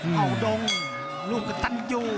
เอาดงลูกตันยู